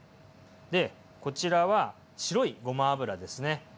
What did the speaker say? でこちらは白いごま油ですね。